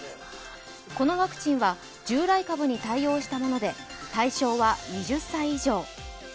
このワクチンは従来株に対応したもので対象は２０歳以上。